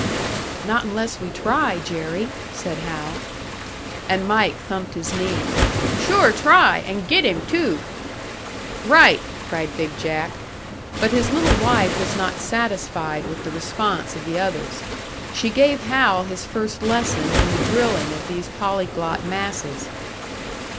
"Not unless we try, Jerry," said Hal. And Mike thumped his knee. "Sure try! And get him too!" "Right!" cried "Big Jack." But his little wife was not satisfied with the response of the others. She gave Hal his first lesson in the drilling of these polyglot masses.